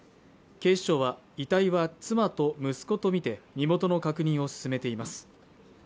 警視庁は遺体は妻と息子と見て身元の確認を進めています